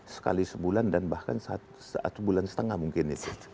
sekali sebulan dan bahkan satu bulan setengah mungkin itu